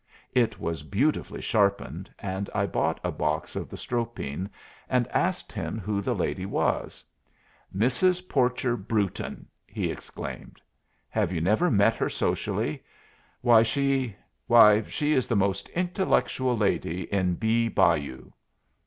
It was beautifully sharpened, and I bought a box of the Stropine and asked him who the lady was. "Mrs. Porcher Brewton!" he exclaimed. "Have you never met her socially? Why she why she is the most intellectual lady in Bee Bayou."